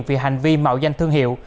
vì hành vi mạo danh thương hiệu